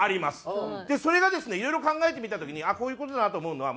それがですねいろいろ考えてみた時にこういう事だなと思うのは。